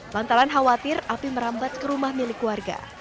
lantaran khawatir api merambat ke rumah milik warga